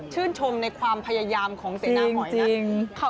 ชมในความพยายามของเสนาหอยนะ